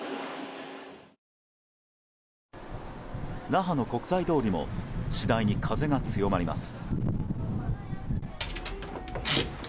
那覇の国際通りも次第に風が強まります。